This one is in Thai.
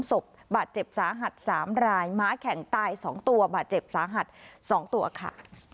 ศพบาดเจ็บสาหัส๓รายม้าแข่งตาย๒ตัวบาดเจ็บสาหัส๒ตัวค่ะ